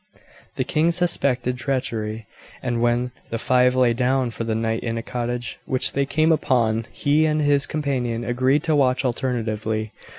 The king suspected treachery; and when the five lay down for the night in a cottage which they came upon he and his companion agreed to watch alternately.